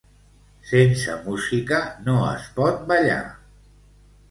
Sense música no es pot ballar.